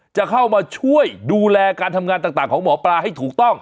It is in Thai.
จะเข้ามาช่วยดูแลการทำงานต่างของหมอปลาให้ถูกต้อง